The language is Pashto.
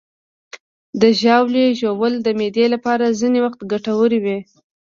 د ژاولې ژوول د معدې لپاره ځینې وخت ګټور وي.